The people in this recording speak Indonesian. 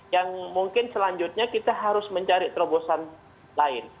yang mungkin selanjutnya kita harus mencari terobosan lain